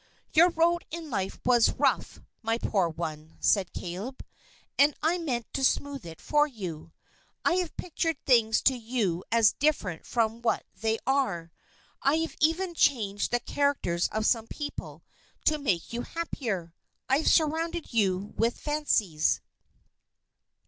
"Your road in life was rough, my poor one," said Caleb, "and I meant to smooth it for you. I have pictured things to you as different from what they are. I have even changed the characters of some people, to make you happier. I have surrounded you with fancies."